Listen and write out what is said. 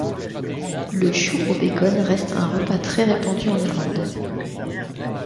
Le chou au bacon reste un repas très répandu en Irlande.